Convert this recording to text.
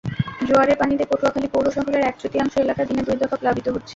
জোয়ারের পানিতে পটুয়াখালী পৌর শহরের এক-তৃতীয়াংশ এলাকা দিনে দুই দফা প্লাবিত হচ্ছে।